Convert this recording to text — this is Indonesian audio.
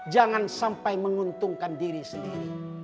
jangan sampai menguntungkan diri sendiri